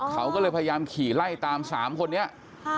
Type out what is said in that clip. เขาก็เลยพยายามขี่ไล่ตาม๓คนนี้